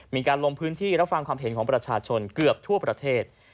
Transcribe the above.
มีการลงพื้นที่รับฟังความเห็นของประชาชนเกือบทั่วประเทศ